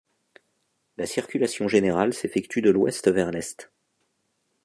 La circulation générale s'effectue de l'ouest vers l'est.